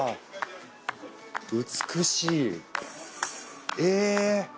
美しい。え。